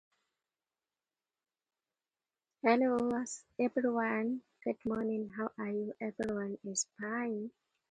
Wilson served as the church's first pastor.